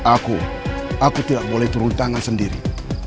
aku aku tidak boleh turun tangan sendiri